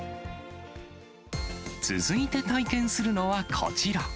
続いて体験するのはこちら。